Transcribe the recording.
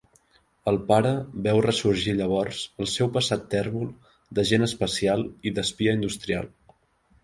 El pare veu ressorgir llavors el seu passat tèrbol d'agent especial i d'espia industrial.